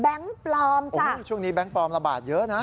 แบงค์ปลอมจ้ะโอ้โถช่วงนี้แบงค์ปลอมระบาดเยอะนะ